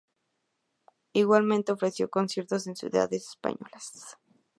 Igualmente ofreció conciertos en ciudades españolas.